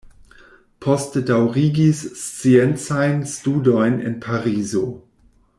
Poste daŭrigis sciencajn studojn en Parizo.